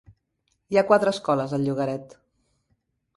Hi ha quatre escoles al llogaret.